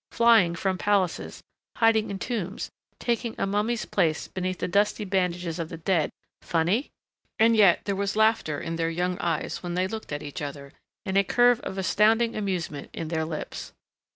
Flying from palaces ... hiding in tombs ... taking a mummy's place beneath the dusty bandages of the dead ... Funny.... And yet there was laughter in their young eyes when they looked at each other and a curve of astounding amusement in their lips.